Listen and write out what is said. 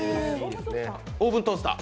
オーブントースター。